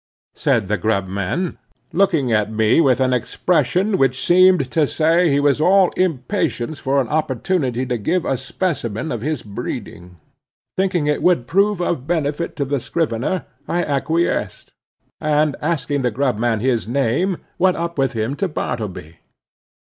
said the grub man, looking at me with an expression which seem to say he was all impatience for an opportunity to give a specimen of his breeding. Thinking it would prove of benefit to the scrivener, I acquiesced; and asking the grub man his name, went up with him to Bartleby.